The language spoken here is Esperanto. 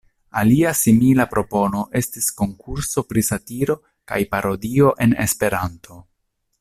Alia simila propono estis konkurso pri satiro kaj parodio en Esperanto.